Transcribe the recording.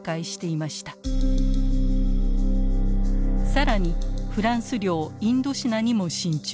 更にフランス領インドシナにも進駐。